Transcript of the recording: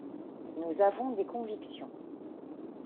Nous avons des convictions.